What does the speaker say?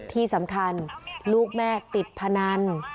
ที่สำคัญลูกแม่ติดพนัน